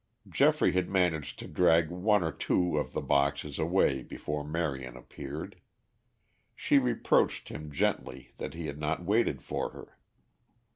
Geoffrey had managed to drag one or two of the boxes away before Marion appeared. She reproached him gently that he had not waited for her.